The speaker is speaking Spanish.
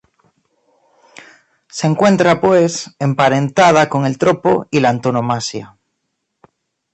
Se encuentra, pues, emparentada con el tropo y la antonomasia.